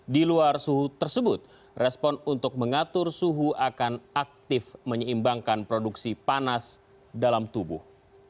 di luar suhu tersebut respon untuk mengatur suhu akan aktif menyeimbangkan produksi panas dalam tubuh